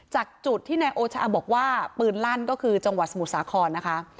จากจุดที่นายโอชาบอกว่าปืนลั่นก็คือจังหวัดสมุทรสาครนะคะ